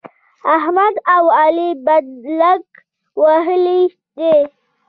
احمد او علي بدلک وهلی دی.